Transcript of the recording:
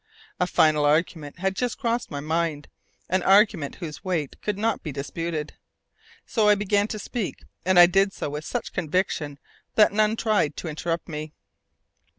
A final argument had just crossed my mind an argument whose weight could not be disputed. So I began to speak, and I did so with such conviction that none tried to interrupt me.